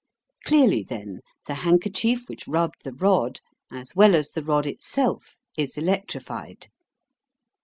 Clearly, then, the handkerchief which rubbed the rod as well as the rod itself is electrified.